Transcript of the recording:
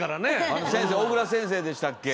あの先生小倉先生でしたっけ。